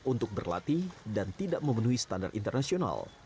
untuk berlatih dan tidak memenuhi standar internasional